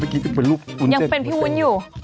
เมื่อกี้มันเป็นรูปของคุณเซนยังเป็นพี่วุ้นอยู่